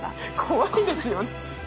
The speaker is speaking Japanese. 怖いですよね。